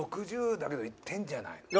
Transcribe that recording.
６０だけどいってんじゃない？